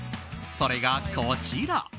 それがこちら。